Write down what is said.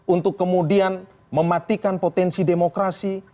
untuk kemudian mematikan potensi demokrasi